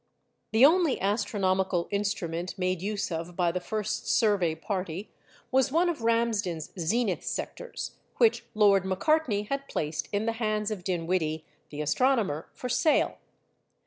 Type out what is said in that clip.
The only astronomical instrument made use of by the first survey party was one of Ramsden's zenith sectors, which Lord Macartney had placed in the hands of Dinwiddie, the astronomer, for sale.